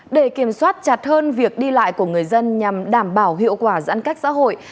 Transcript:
để kiểm soát chặt hơn việc đi lại của người dân nhằm đảm bảo hiệu quả giãn cách xã hội